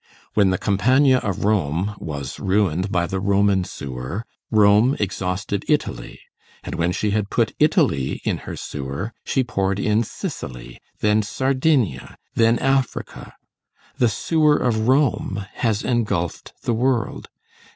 When the Campagna of Rome was ruined by the Roman sewer, Rome exhausted Italy, and when she had put Italy in her sewer, she poured in Sicily, then Sardinia, then Africa. The sewer of Rome has engulfed the world.